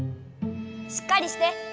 しっかりして！